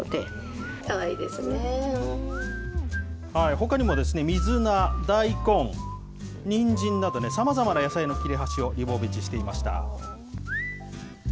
ほかにも、水菜、大根、にんじんなど、さまざまな野菜の切れ端をリボベジしていました。